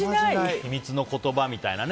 秘密の言葉みたいなね。